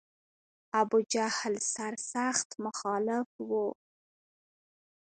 ابوجهل سر سخت مخالف و.